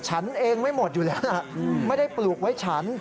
ฉันเองไม่หมดอยู่แล้วนะไม่ได้ปลูกไว้ฉัน